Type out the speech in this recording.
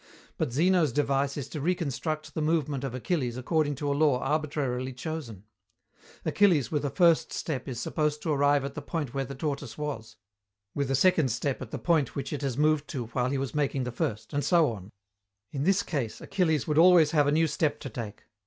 But Zeno's device is to reconstruct the movement of Achilles according to a law arbitrarily chosen. Achilles with a first step is supposed to arrive at the point where the tortoise was, with a second step at the point which it has moved to while he was making the first, and so on. In this case, Achilles would always have a new step to take.